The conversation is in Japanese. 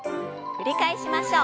繰り返しましょう。